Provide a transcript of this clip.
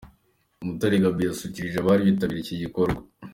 Umutare Gabby yasusurukije abari bitabiriye iki gikorwa.